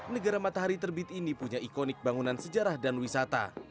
negara matahari terbit ini punya ikonik bangunan sejarah dan wisata